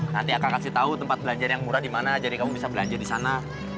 nanti akang kasih tau tempat belanja yang murah dimana jadi kamu bisa belanja disana